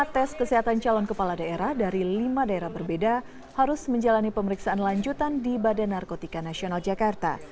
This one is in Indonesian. empat tes kesehatan calon kepala daerah dari lima daerah berbeda harus menjalani pemeriksaan lanjutan di badan narkotika nasional jakarta